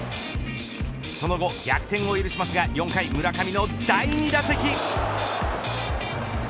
その後、逆転を許しますが４回村上の第２打席。